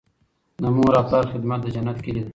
د مور او پلار خدمت د جنت کیلي ده.